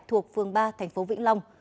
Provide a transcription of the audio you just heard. thuộc phương ba thành phố vĩnh long